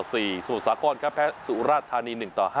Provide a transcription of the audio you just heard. สมุทรสาครครับแพ้สุราธานี๑ต่อ๕